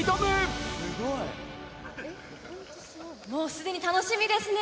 もうすでに楽しみですね。